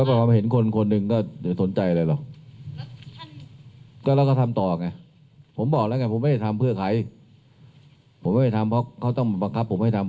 ผมไม่ได้ทำเพราะเขาต้องบังคับผมไม่ได้ทำ